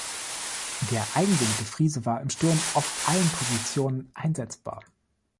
Der eigenwillige Friese war im Sturm auf allen Positionen einsetzbar.